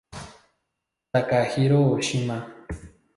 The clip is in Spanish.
Takahiro Oshima